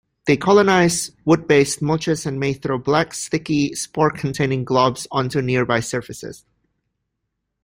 They colonize wood-based mulches and may throw black, sticky, spore-containing globs onto nearby surfaces.